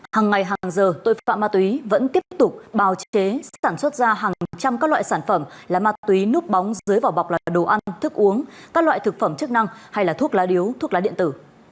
hàng ngày hàng giờ tội phạm ma túy vẫn tiếp tục bào chế sản xuất ra hàng trăm các loại sản phẩm là ma túy núp bóng dưới vỏ bọc là đồ ăn thức uống các loại thực phẩm chức năng hay là thuốc lá điếu thuốc lá điện tử